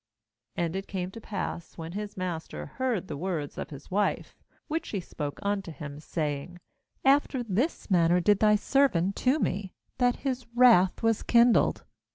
19And it came to pass, when his master heard the words of his wife, which she spoke unto him, say ing: 'After this manner did thy servant to me'; that his wrath was kindled.